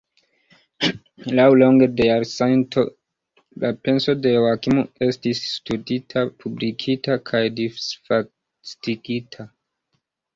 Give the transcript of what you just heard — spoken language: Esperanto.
Laŭlonge de jarcentoj la penso de Joakimo estis studita, publikigita kaj disvastigita.